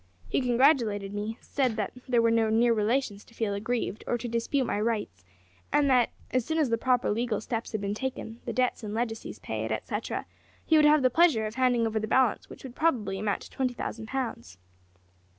He congratulated me; said that there were no near relations to feel aggrieved or to dispute my rights, and that, as soon as the proper legal steps had been taken the debts and legacies paid, etcetera, he would have the pleasure of handing over the balance, which would probably amount to twenty thousand pounds."